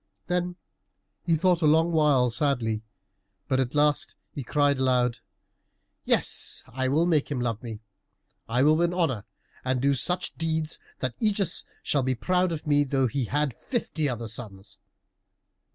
Then he thought a long while sadly, but at last he cried aloud, "Yes, I will make him love me. I will win honor, and do such deeds that Ægeus shall be proud of me though he had fifty other sons."